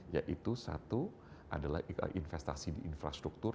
yaitu satu adalah investasi di infrastruktur